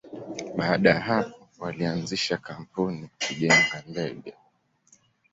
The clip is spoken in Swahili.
Baada ya hapo, walianzisha kampuni ya kujenga ndege.